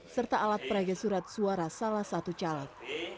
serta alat perayaan surat suara salah satu calon